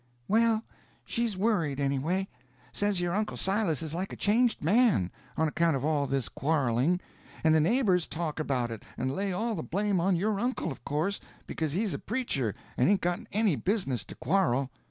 "Well, she's worried, anyway. Says your uncle Silas is like a changed man, on account of all this quarreling. And the neighbors talk about it, and lay all the blame on your uncle, of course, because he's a preacher and hain't got any business to quarrel.